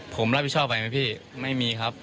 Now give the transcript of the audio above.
ผมรับผิดชอบอะไรไหมพี่ไม่มีครับ